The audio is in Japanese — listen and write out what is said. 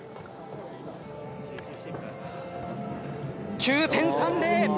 ９．３０。